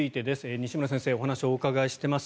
西村先生にお話をお伺いしています。